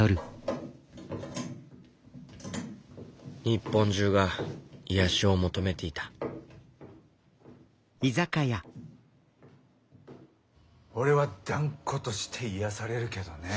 日本中が癒やしを求めていた俺は断固として癒やされるけどね。